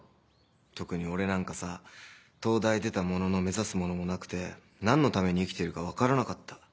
特に俺なんかさ東大出たものの目指すものもなくて何のために生きてるか分からなかった。